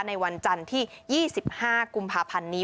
ในวันจันทร์ที่๒๕กุมภาพันธ์นี้